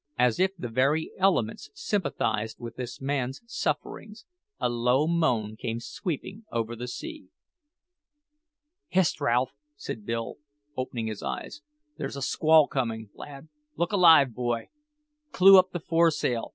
As if the very elements sympathised with this man's sufferings, a low moan came sweeping over the sea. "Hist, Ralph!" said Bill, opening his eyes; "there's a squall coming, lad! Look alive, boy! Clew up the foresail!